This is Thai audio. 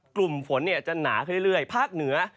กลุ่มฝนจะหนาขึ้นเรื่อยภาคเหนือ